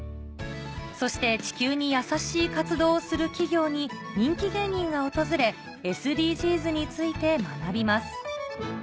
そして地球に優しい活動をする企業に人気芸人が訪れＳＤＧｓについて学びます